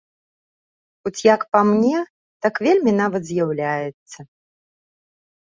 Хоць як па мне, так вельмі нават з'яўляецца.